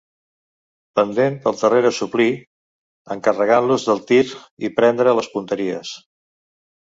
Podent pel darrere suplir, en carregant-los el tir i prendre les punteries.